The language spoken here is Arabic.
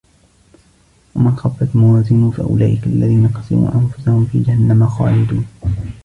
ومن خفت موازينه فأولئك الذين خسروا أنفسهم في جهنم خالدون